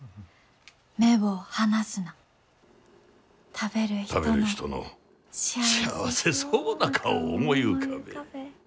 食べる人の幸せそうな顔を思い浮かべえ。